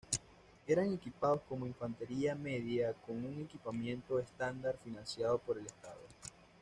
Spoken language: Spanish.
Eran equipados como infantería media con un equipamiento estándar financiado por el estado.